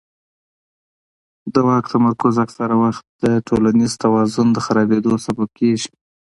د واک تمرکز اکثره وخت د ټولنیز توازن د خرابېدو سبب کېږي